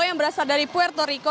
yang berasal dari puerto rico